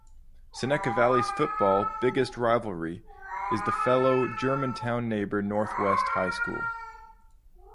Seneca Valley's football biggest rivalry is with fellow Germantown neighbor, Northwest High School.